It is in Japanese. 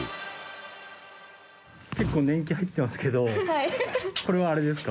結構年季入ってますけどこれはあれですか？